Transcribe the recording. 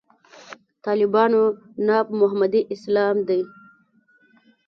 طالبانو ناب محمدي اسلام دی.